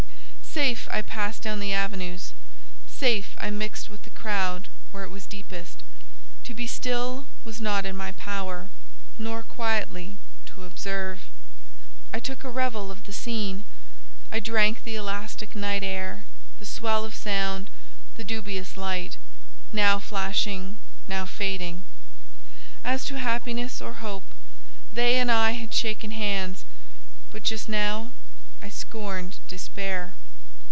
Safe I passed down the avenues—safe I mixed with the crowd where it was deepest. To be still was not in my power, nor quietly to observe. I took a revel of the scene; I drank the elastic night air—the swell of sound, the dubious light, now flashing, now fading. As to Happiness or Hope, they and I had shaken hands, but just now—I scorned Despair.